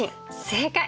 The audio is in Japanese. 正解！